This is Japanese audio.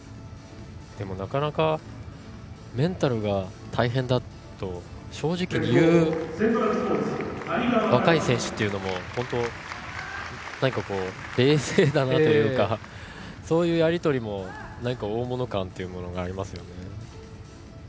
でも、なかなかメンタルが大変だと正直に言う若い選手というのも本当に冷静だなというかそういうやり取りも大物感がありますよね。